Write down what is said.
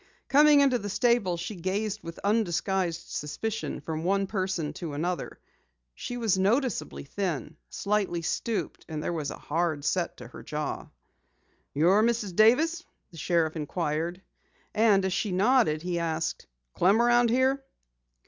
Coming into the stable, she gazed with undisguised suspicion from one person to another. She was noticeably thin, slightly stooped and there was a hard set to her jaw. "You're Mrs. Davis?" the sheriff inquired, and as she nodded, he asked: "Clem around here?"